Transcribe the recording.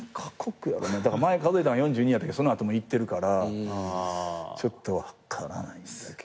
前数えたの４２やけどその後も行ってるからちょっと分からない。